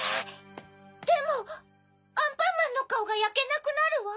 でもアンパンマンのカオがやけなくなるわ。